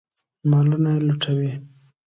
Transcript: مالونه یې لوټوي.